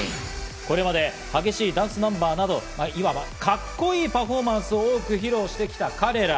これまで激しいダンスナンバーなど、いわばカッコいいパフォーマンスを多く披露してきた彼ら。